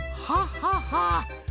はははあ